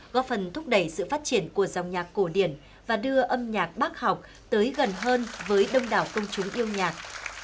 góp phần thúc đẩy sự phát triển của dòng nhạc cổ điển và đưa âm nhạc bác học tới gần hơn với đông đảo công chúng yêu nhạc